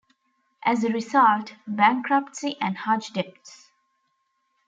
As a result, - bankruptcy and huge debts.